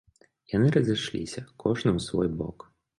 Яны разышліся, кожны ў свой бок.